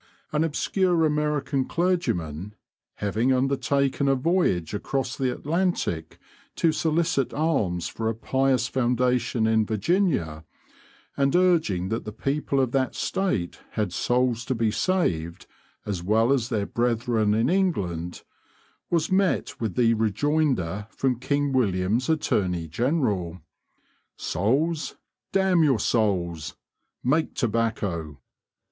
An obscure American clergyman, having undertaken a voyage across the Atlantic to solicit alms for a pious foundation in Virginia, and urging that the people of that state had souls to be saved as well as their brethren in England, was met with the rejoinder from King William's attorney general, "Souls! damn your souls! make tobacco!"